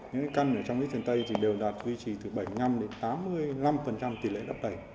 những căn ở trong nước tiền tây thì đều đạt duy trì từ bảy mươi năm đến tám mươi năm tỷ lệ lắp đẩy